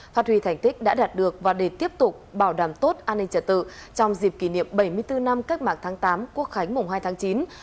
phát huy thành tích đã đạt được và để tiếp tục bảo đảm tốt an ninh trật tự trong dịp kỷ niệm bảy mươi bốn năm cách mạng tháng tám quốc khánh mùng hai tháng chín